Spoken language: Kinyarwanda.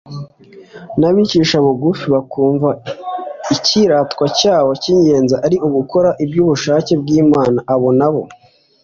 n'abicisha bugufi, bakumva icyiratwa cyabo cy'ingenzi ari ugukora iby'ubushake bw'Imana abo nabo,